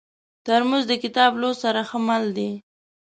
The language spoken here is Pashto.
ترموز د کتاب لوست سره ښه مل دی.